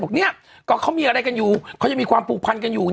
เนี่ยก็เขามีอะไรกันอยู่เขายังมีความผูกพันกันอยู่